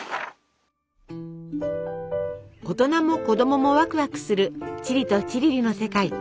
大人も子供もワクワクするチリとチリリの世界。